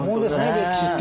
歴史って。